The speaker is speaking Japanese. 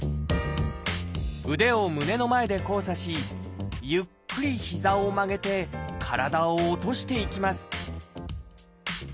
腕を胸の前で交差しゆっくり膝を曲げて体を落としていきます